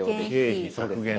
経費削減だ。